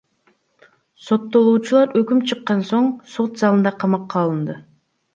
Соттолуучулар өкүм чыккан соң сот залында камакка алынды.